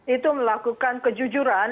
itu melakukan kejujuran